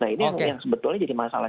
nah ini yang sebetulnya jadi masalah